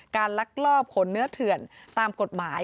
ลักลอบขนเนื้อเถื่อนตามกฎหมาย